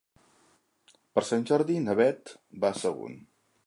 Per Sant Jordi na Beth va a Sagunt.